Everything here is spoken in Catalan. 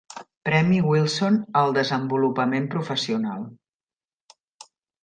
Premi Wilson al desenvolupament professional.